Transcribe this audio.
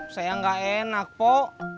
saya gak enak pok